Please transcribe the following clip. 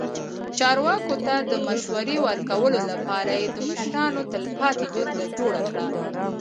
چارواکو ته د مشورې ورکولو لپاره یې د مشرانو تلپاتې جرګه جوړه کړه.